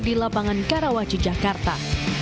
di lapangan karawaci jakarta